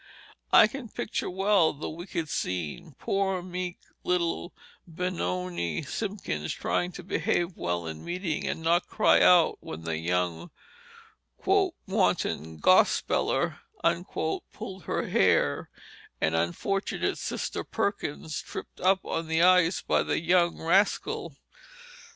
I can picture well the wicked scene; poor, meek little Benoni Simpkins trying to behave well in meeting, and not cry out when the young "wanton gospeller" pulled her hair, and unfortunate Sister Perkins tripped up on the ice by the young rascal.